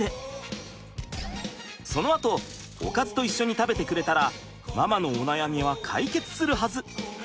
そのあとおかずと一緒に食べてくれたらママのお悩みは解決するはず。